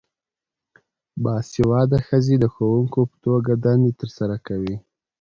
باسواده ښځې د ښوونکو په توګه دنده ترسره کوي.